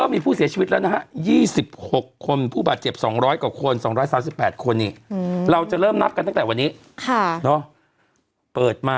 มีผู้เสียชีวิตละยี่สิบกว่าคนนะครับอืม